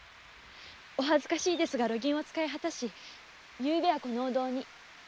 お恥ずかしいのですが路銀を使い果たし昨夜はこのお堂に。